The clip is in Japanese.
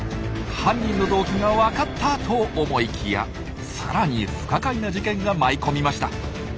犯人の動機がわかったと思いきやさらに不可解な事件が舞い込みました。